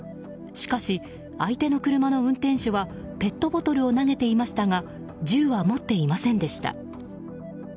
しかし、相手の車の運転手はペットボトルを投げていましたが銃は持っていませんでした。